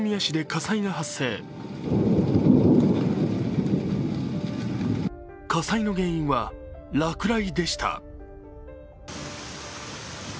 火災の原因は落雷でした。